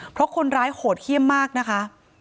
เพราะคนร้ายโหดเยี่ยมมากนะคะ